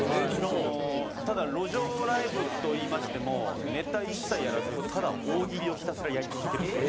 ただ路上ライブといいましてもネタ一切やらずただ大喜利をひたすらやり続けるっていう。